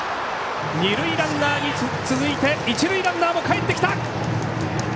二塁ランナーに続いて一塁ランナーもかえってきた！